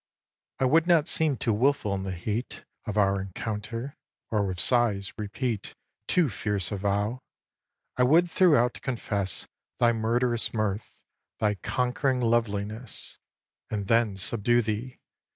xi. I would not seem too wilful in the heat Of our encounter, or with sighs repeat Too fierce a vow. I would throughout confess Thy murderous mirth, thy conquering loveliness, And then subdue thee!